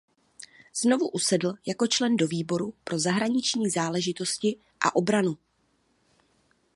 Znovu usedl jako člen do výboru pro zahraniční záležitosti a obranu.